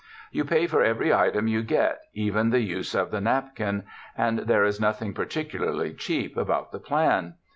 You pay for every item you get, even the use of the napkin, and there is nothing particularly cheap about the plan.